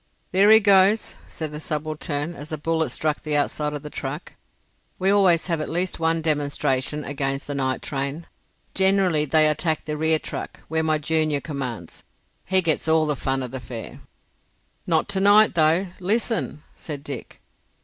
There he goes!" said the subaltern, as a bullet struck the outside of the truck. "We always have at least one demonstration against the night train. Generally they attack the rear truck, where my junior commands. He gets all the fun of the fair." "Not to night though! Listen!" said Dick.